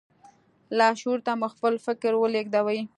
لاشعور ته مو خپل فکر ولېږدوئ.